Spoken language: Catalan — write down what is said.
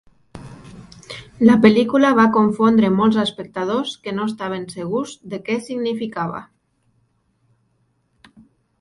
La pel·lícula va confondre molts espectadors, que no estaven segurs de què significava.